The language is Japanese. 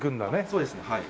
そうですねはい。